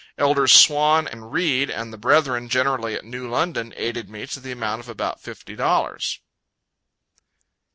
Elders Swan and Read, and the brethren generally at New London, aided me to the amount of about fifty dollars.